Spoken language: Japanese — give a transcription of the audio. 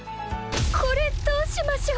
これどうしましょう？